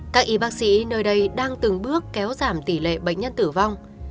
các y bác sĩ nơi đây đang từng bước kéo giảm tỷ lệ bệnh nhân tử vong